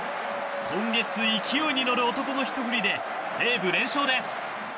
今月、勢いに乗る男のひと振りで西武、連勝です。